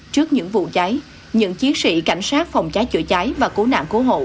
trước những vụ cháy những chiến sĩ cảnh sát phòng cháy chữa cháy và cứu nạn cứu hộ